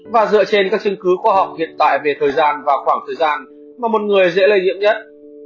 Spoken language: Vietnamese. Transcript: và dựa trên các chứng cứ khoa học hiện tại về thời gian và khoảng thời gian mà một người dễ lây nhiễm nhất